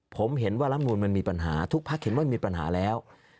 ผมเห็นว่าลำนูนมันมีปัญหาทุกพักเห็นว่ามีปัญหาแล้ว